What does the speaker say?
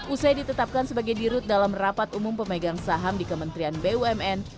usai ditetapkan sebagai dirut dalam rapat umum pemegang saham di kementerian bumn